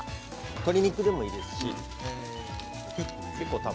鶏肉でもいいです。